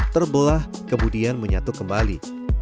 terbelah kemudian menyatu kembali